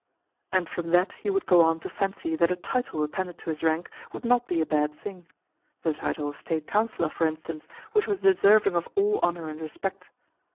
And from that he would go on to fancy that a title appended to his rank would not be a bad thing the title of State Councillor, for instance, which was deserving of all honour and respect.